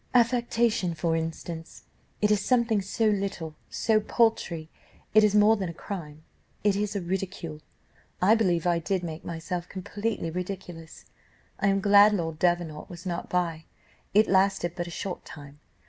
Affectation, for instance; it is something so little, so paltry, it is more than a crime, it is a ridicule: I believe I did make myself completely ridiculous; I am glad Lord Davenant was not by, it lasted but a short time.